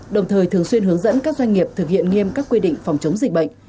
đồng thời thường xuyên hướng dẫn các doanh nghiệp thực hiện nghiêm các quy định phòng chống dịch bệnh